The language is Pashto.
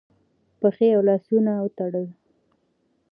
پښې او لاسونه وتړل